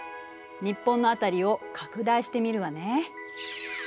日本の辺りを拡大してみるわね。